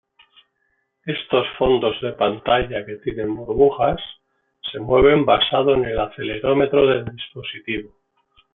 Estos fondos de pantalla que tienen burbujas, se mueven basado en el acelerómetro del dispositivo.